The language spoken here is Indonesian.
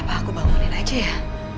apa aku bangunin aja ya